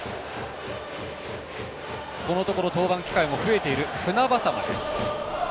このところ登板機会が増えている船迫です。